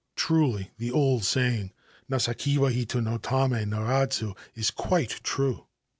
Truly the old saying, " Nasakewa 1 no tame naradzu "* is quite true